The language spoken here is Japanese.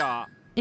え？